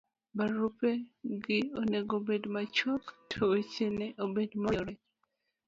barupegi onego bed machuok to weche ne obed maoriere